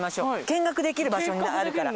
見学できる場所あるから。